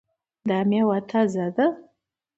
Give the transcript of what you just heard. دا میوه تازه ده؟